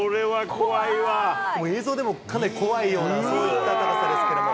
映像でもかなり怖いような、そういった高さですけれども。